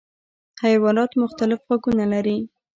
حیوانات مختلف غږونه لري.